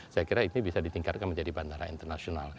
saya kira ini bisa ditingkatkan menjadi bandara internasional